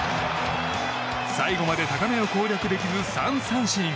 最後まで高めを攻略できず３三振。